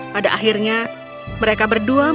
pada akhirnya mereka berdua mencari kaki